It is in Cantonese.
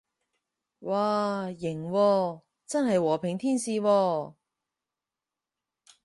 嘩，型喎，真係和平天使喎